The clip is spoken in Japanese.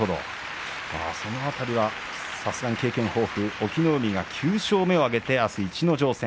その辺りはさすが経験豊富隠岐の海が９勝目を挙げてあす逸ノ城戦。